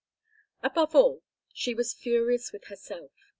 Above all, was she furious with herself.